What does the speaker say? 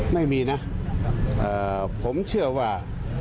ไม่มีนะผมเชื่อว่า